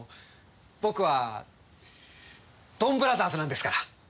僕はドンブラザーズなんですから。